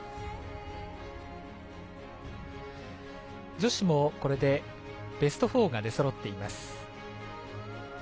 女子もこれでベスト４が出そろっています。